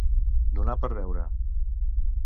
Donar per beure.